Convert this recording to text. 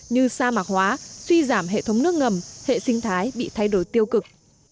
như sa mạc hóa suy giảm hệ thống nước ngầm hệ sinh thái bị thay đổi tiêu cực